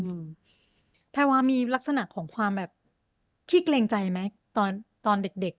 อืมแพรวามีลักษณะของความแบบขี้เกรงใจไหมตอนตอนเด็กเด็ก